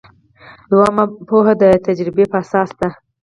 دوهمه پوهه د تجربې په اساس ده.